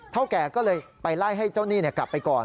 เท่าแก่ก็เลยไปไล่ให้เจ้าหนี้กลับไปก่อน